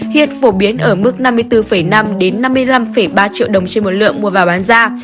hiện phổ biến ở mức năm mươi bốn năm năm mươi năm ba triệu đồng trên một lượng mua và bán ra